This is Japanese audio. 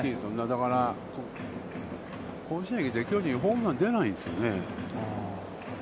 だから、甲子園で巨人はホームランが出ないんですよね。